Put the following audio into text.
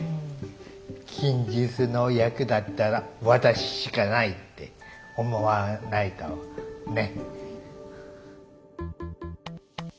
「筋ジスの役だったら私しかない」って思わないとね。